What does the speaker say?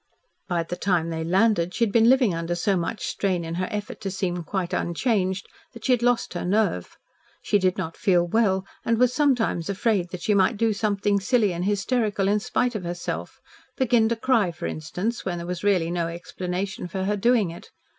By the time they landed she had been living under so much strain in her effort to seem quite unchanged, that she had lost her nerve. She did not feel well and was sometimes afraid that she might do something silly and hysterical in spite of herself, begin to cry for instance when there was really no explanation for her doing it.